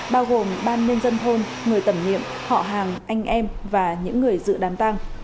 bao gồm ban nhân dân thôn người tẩm nhiệm họ hàng anh em và những người dự đám tang